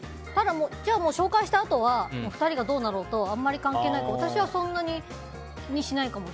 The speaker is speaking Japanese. じゃあもう、紹介したあとは２人がどうなろうとあんまり関係ないから私はそんなに気にしないかも。